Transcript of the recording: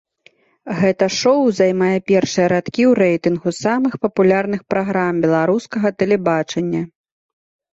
Гэта шоу займае першыя радкі ў рэйтынгу самых папулярных праграм беларускага тэлебачання.